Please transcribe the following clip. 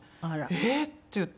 「えっ！」って言って。